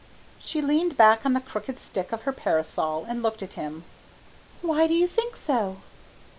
She leaned back on the crooked stick of her parasol, and looked at him. "Why do you think so?"